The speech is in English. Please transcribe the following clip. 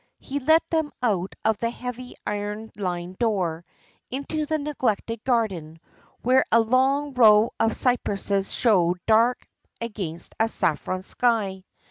He let them out of the heavy iron lined door, into the neglected garden, where a long row of cypresses showed dark against a saffron sky.